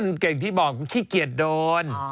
มันเก่งที่บอกขี้เกียจโดน